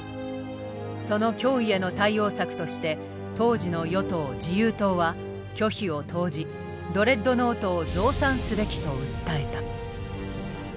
その脅威への対応策として当時の与党自由党は巨費を投じドレッドノートを増産すべきと訴えた。